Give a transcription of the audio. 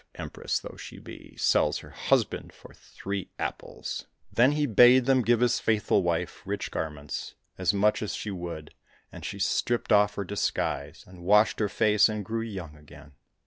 Empress though she be, sells her husband for three apples !" Then he bade them give his faithful wife rich garments 203 COSSACK FAIRY TALES as much as she would, and she stripped off her disguise, and washed her face and grew young again.